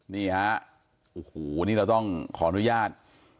นี่ฮะโอ้โหนี่เราต้องขออนุญาต